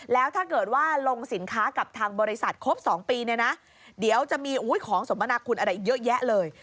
แล้วถ้าเกิดว่าลงสินค้ากับทางบริษัทครบ๒ปีเนี่ยนะเดี๋ยวจะมีของสมนาคุณอะไรเยอะแยะเลย